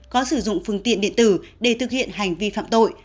có sử dụng phương tiện điện tử để thực hiện hành vi phạm tội